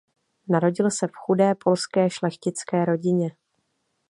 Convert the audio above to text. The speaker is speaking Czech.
Narodil se v chudé polské šlechtické rodině.